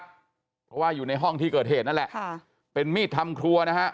เพราะว่าอยู่ในห้องที่เกิดเหตุนั่นแหละค่ะเป็นมีดทำครัวนะฮะ